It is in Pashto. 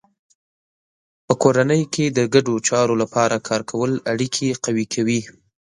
په کورنۍ کې د ګډو چارو لپاره کار کول اړیکې قوي کوي.